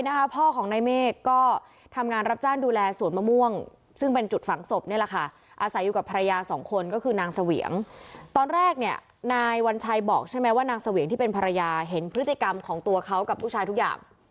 ตอนแรกเนี่ยนายวัญชัยบอกใช่ไหมว่านางเสวียงที่เป็นภรรยาเห็นพฤติกรรมของตัวเขากับผู้ชายทุกอย่าง